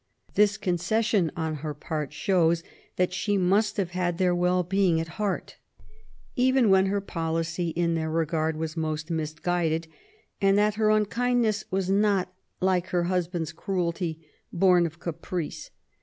This concession on her part shows that she must have had their well being at heart, even when her policy in their regard was most misguided, and that her unkind , ness was not, like her husband's cruelty, born of caprice.